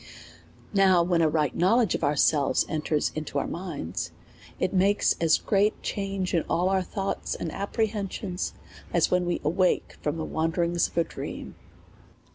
Now when a ri^ht knowledge of ourselves enters into our mind.«t, it makes as great a change in all our thoughts and apprehensions, as when wc awake from the wanderings of a dream.